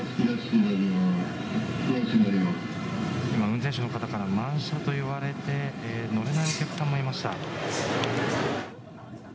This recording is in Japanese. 運転手の方から満車と言われて乗れないお客さんもいました。